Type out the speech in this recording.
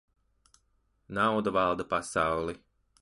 Nauda valda pasauli.